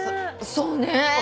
そうね。